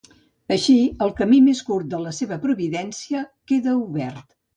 Així, el camí més curt a la seva providència queda obert.